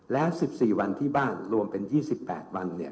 และ๑๔วันที่บ้านรวมเป็น๒๘วัน